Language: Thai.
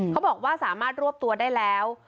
เขาบอกว่าสามารถรวบตัวได้แล้ว